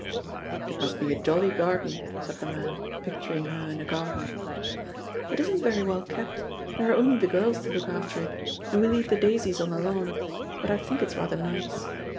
"It must be a jolly garden," said the man, pic turing her in a garden. "It isn't very well kept; there are only the girls to look after it, and we leave the daisies on the lawn, but I think it's rather nice.